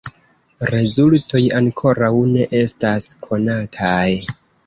Rezultoj ankoraŭ ne estas konataj.